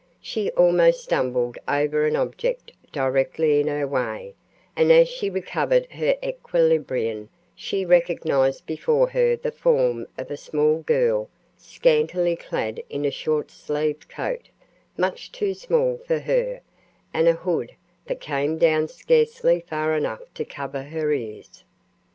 She almost stumbled over an object directly in her way, and as she recovered her equilibrium she recognized before her the form of a small girl scantily clad in a short sleeved coat much too small for her and a hood that came down scarcely far enough to cover her ears.